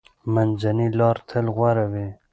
منځنۍ لار تل غوره وي.